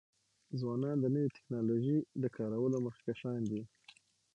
ځوانان د نوی ټکنالوژی د کارولو مخکښان دي.